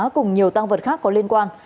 cùng nhiều tang vật khác có liên quan